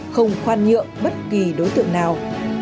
không khoan nhượng bất kỳ đối tượng nào